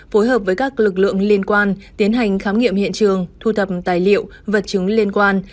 phối hợp với các lực lượng liên quan tiến hành khám nghiệm hiện trường thu thập tài liệu vật chứng liên quan